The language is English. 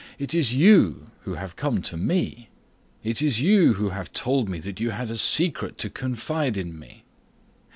It is you who have come to me. It is you who have told me that you had a secret to confide in me.